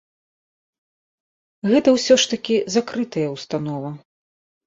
Гэта ўсё ж такі закрытая ўстанова.